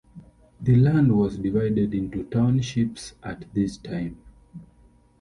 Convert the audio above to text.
The land was divided into Townships at this time.